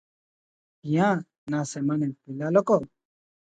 କିଆଁ ନା ସେମାନେ ପିଲାଲୋକ ।